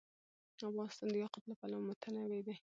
افغانستان د یاقوت له پلوه متنوع دی.